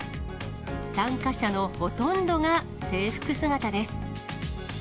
参加者のほとんどが制服姿です。